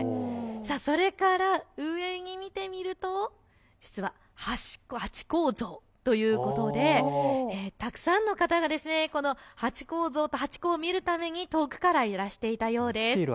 それから上を見てみると実はハチ公像ということでたくさんの方がハチ公像とハチ公を見るために遠くからいらしていたそうです。